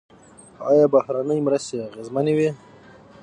آیا بهرنۍ مرستې اغیزمنې وې؟